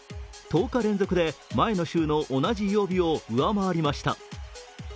１０日連続で前の週の同じ曜日を上回りました。